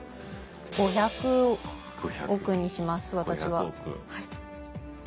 ５００億にします私は。